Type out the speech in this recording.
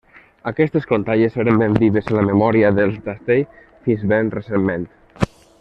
Aquestes contalles eren ben vives en la memòria dels d'Astell fins ben recentment.